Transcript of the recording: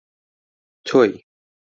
تۆی: